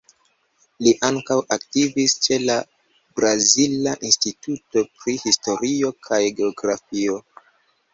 Li ankaŭ aktivis ĉe la Brazila Instituto pri Historio kaj Geografio.